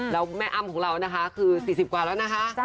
แล้วแม่อ้ำของเรานะคะคือ๔๐กว่าแล้วนะคะ